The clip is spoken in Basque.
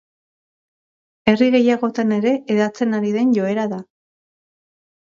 Herri gehiagotan ere hedatzen ari den joera da.